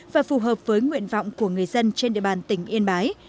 và phù hợp với nguyện vọng của người dân trên địa bàn tỉnh yên bái